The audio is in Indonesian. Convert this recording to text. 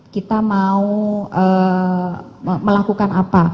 kita mau melakukan apa